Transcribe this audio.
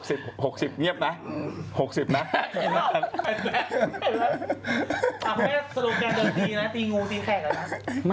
สรุปแกเดินตีนะตีงูตีแขกละนะ